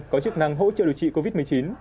có chức năng hỗ trợ điều trị covid một mươi chín